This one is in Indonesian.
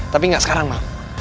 tapi gak sekarang bang